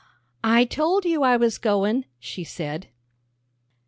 "I told you I was goin'," she said.